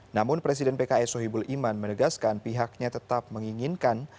namun presiden pks sohibul iman menegaskan pihaknya tetap menginginkan